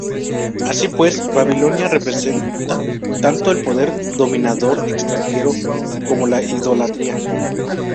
Así pues, Babilonia representa tanto el poder dominador extranjero, como la idolatría.